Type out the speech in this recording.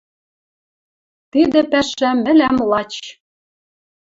Тидӹ пӓшӓ мӹлӓм лач».